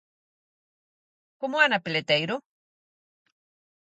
Como Ana Peleteiro.